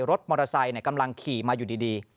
รถมอเตอร์ไซค์กำลังขี่มาอยู่ดี